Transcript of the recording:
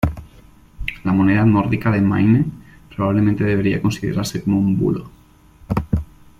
La moneda nórdica de Maine probablemente debería considerarse como un bulo".